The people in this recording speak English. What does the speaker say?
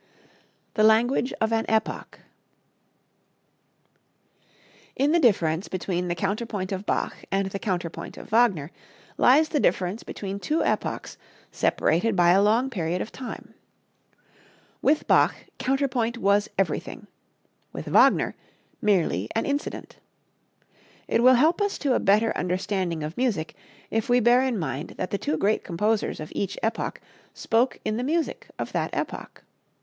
The Language of an Epoch. In the difference between the counterpoint of Bach and the counterpoint of Wagner lies the difference between two epochs separated by a long period of time. With Bach counterpoint was everything; with Wagner merely an incident. It will help us to a better understanding of music if we bear in mind that the two great composers of each epoch spoke in the music of that epoch.